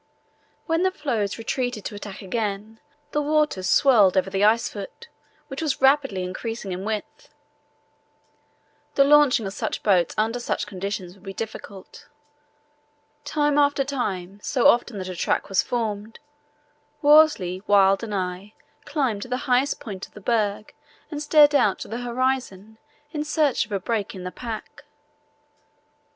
When the floes retreated to attack again the water swirled over the ice foot, which was rapidly increasing in width. The launching of the boats under such conditions would be difficult. Time after time, so often that a track was formed, Worsley, Wild, and I, climbed to the highest point of the berg and stared out to the horizon in search of a break in the pack.